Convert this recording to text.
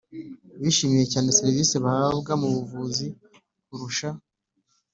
bishimiye cyane serivisi bahabwa mu buzima kurusha